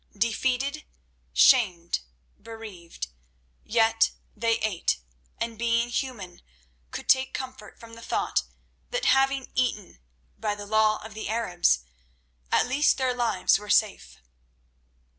Defeated, shamed, bereaved—yet they ate, and, being human, could take comfort from the thought that having eaten, by the law of the Arabs, at least their lives were safe.